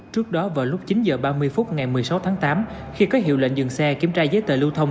trước đó vào lúc chín h ba mươi phút ngày một mươi sáu tháng tám khi có hiệu lệnh dừng xe kiểm tra giấy tờ lưu thông